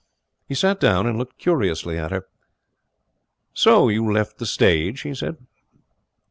He sat down and looked curiously at her. 'So you left the stage?' he said.